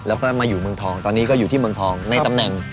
แล้วก็มาอยู่เมืองทองตอนนี้ก็อยู่ที่เมืองทองในตำแหน่ง